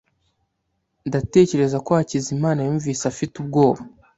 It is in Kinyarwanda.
Ndatekereza ko Hakizimana yumvise afite ubwoba.